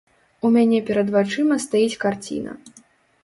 У мяне перад вачыма стаіць карціна.